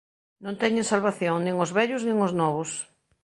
Non teñen salvación, nin os vellos nin os novos.